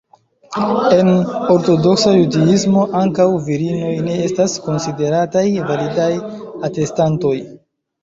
En Ortodoksa Judismo, ankaŭ virinoj ne estas konsiderataj validaj atestantoj.